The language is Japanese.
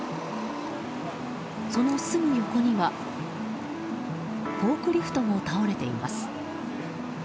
そのすぐ横にはフォークリフトも倒れています。